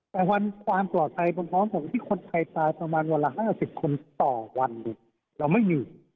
แต่วันความปลอดภัยผมคิดว่าคนไทยตายประมาณวันละ๕๐คนต่อวันเลยเราไม่มี